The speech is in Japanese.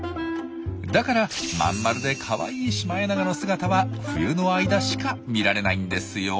だからまん丸でかわいいシマエナガの姿は冬の間しか見られないんですよ。